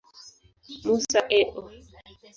Musa, A. O.